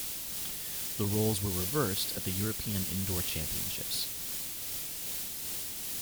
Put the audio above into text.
The roles were reversed at the European Indoor Championships.